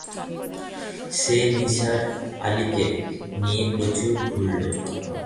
সে নিসার আলিকে নিয়ে প্রচুর ঘুরল।